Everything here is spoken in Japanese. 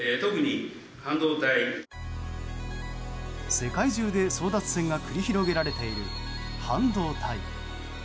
世界中で争奪戦が繰り広げられている半導体。